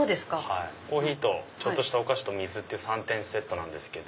コーヒーとちょっとしたお菓子と水３点セットなんです。